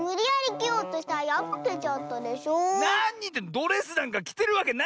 ドレスなんかきてるわけないじゃない！